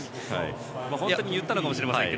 本当に言ったのかもしれませんが。